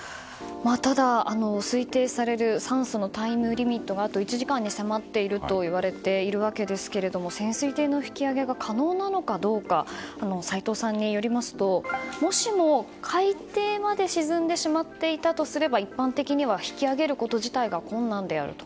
ただ、推定される酸素のタイムリミットがあと１時間に迫っているといわれているわけですけれども潜水艇の引き揚げが可能なのかどうか斎藤さんによりますともしも海底まで沈んでしまっていたとしたら一般的には引き揚げること自体が困難であると。